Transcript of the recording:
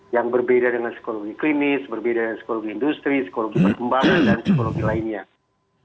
yang berbeda dengan psikologi klinis berbeda dengan psikologi industri psikologi perkembangan dan psikologi lainnya